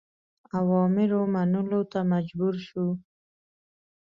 اوامرو منلو ته مجبور شو.